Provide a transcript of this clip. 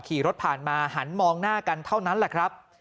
ขี่รถผ่านมาหันมองหน้ากันเท่านั้นแหละครับ